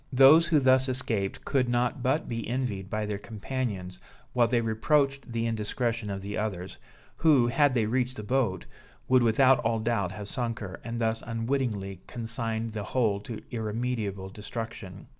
Those who thus escaped could not but be envied by their companions, while they reproached the indiscretion of the others, who, had they reached the boat, would without all doubt have sunk her, and thus unwittingly consigned the whole to irremediable destruction.